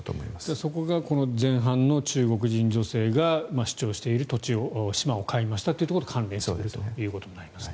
そこが前半の中国人女性が主張している島を買いましたということと関連しているということになりますね。